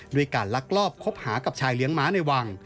ด้วยการลักลอบคบหากับชายเลี้ยงม้าในวัง